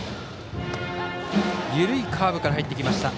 緩いカーブから入ってきました。